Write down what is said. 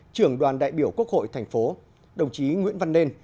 trưởng đoàn đại biểu quốc hội tp hcm đồng chí nguyễn văn nên